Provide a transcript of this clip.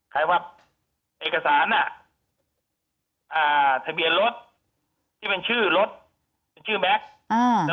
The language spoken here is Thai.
ใครว่าเอกสารทะเบียนรถที่เป็นชื่อรถเป็นชื่อแม็กซ์